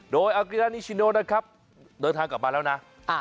โดยอากิรานิชิโนนะครับเดินทางกลับมาแล้วนะ